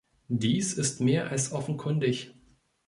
Dies ist mehr als offenkundig.